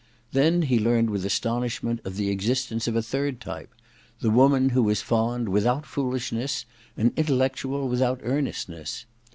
Then he learned with astonishment of the existence of a third type : the woman who is fond without foolish ness and intellectual without earnestness.